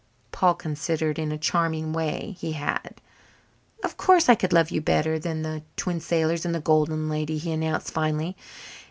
Paul considered in a charming way he had. "Of course I could love you better than the Twin Sailors and the Golden Lady," he announced finally.